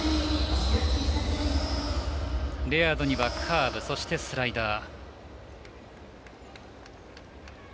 レアードにはカーブそしてスライダー。